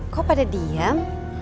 kok pada diem